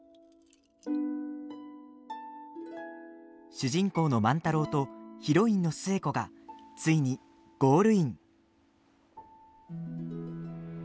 主人公の万太郎とヒロインの寿恵子がついにゴールイン。